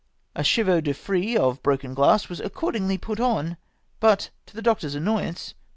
A chevaux de frise of broken glass was accordingly put on, but, to the doctor's annoyance.